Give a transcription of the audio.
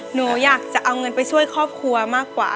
หนูอยากจะเอาเงินไปช่วยครอบครัวมากกว่า